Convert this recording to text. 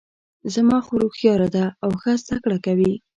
زما خور هوښیاره ده او ښه زده کړه کوي